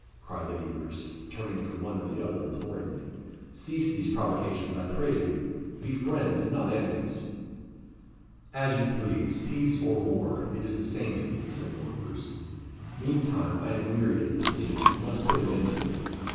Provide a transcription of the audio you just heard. cried Lady Roos, turning from one to the other imploringly. "Cease these provocations, I pray of you. Be friends, and not enemies." "As you please peace or war; it is the same to me," said Lord Roos. "Meantime, I am wearied of this scene, and must put an end to it.